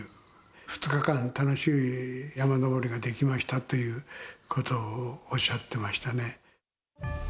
２日間、楽しい山登りができましたということをおっしゃってましたね。